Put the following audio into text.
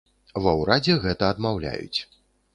Ва ўрадзе гэта адмаўляюць.